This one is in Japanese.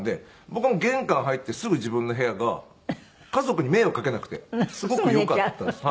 僕は玄関入ってすぐ自分の部屋が家族に迷惑かけなくてすごくよかったです。